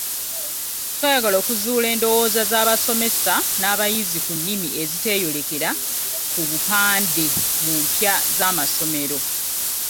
Twayagala okuzuula endowooza z'abasomesa n'abayizi ku nnimi eziteeyolekera ku bupande mu mpya z'amasomero.